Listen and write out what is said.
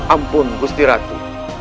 ampun gusti ratu